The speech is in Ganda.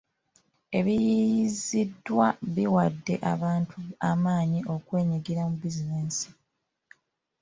Ebiyiiyiziddwa biwadde abantu amaanyi okwenyigira mu bizinesi.